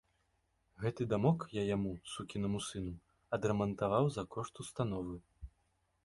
Гэты дамок я яму, сукінаму сыну, адрамантаваў за кошт установы.